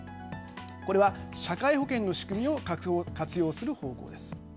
これは社会保険の仕組みを活用する方向です。